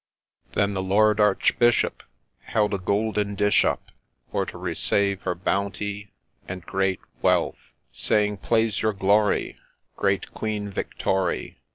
Then the Lord Archbishop held a goulden dish up, For to resave her bounty and great wealth, Saying, ' Plase your Glory, great Queen Vic tory